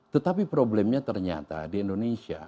tetapi problemnya ternyata di indonesia